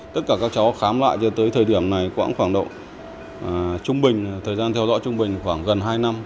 tất cả các cháu khám lại cho tới thời điểm này quãng khoảng độ trung bình thời gian theo dõi trung bình khoảng gần hai năm